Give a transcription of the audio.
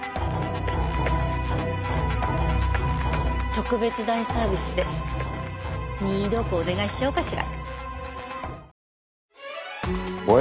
特別大サービスで任意同行お願いしちゃおうかしら。